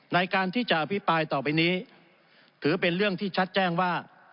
ในการที่จะอภิปรายต่อไปนี้ถือเป็นเรื่องที่ชัดแจ้งว่า